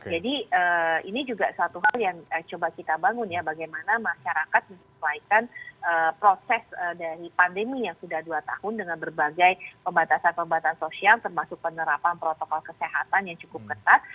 jadi ini juga satu hal yang coba kita bangun ya bagaimana masyarakat memperbaikan proses dari pandemi yang sudah dua tahun dengan berbagai pembatasan pembatasan sosial termasuk penerapan protokol kesehatan yang cukup ketat